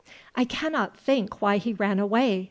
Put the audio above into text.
"I cannot think why he ran away!"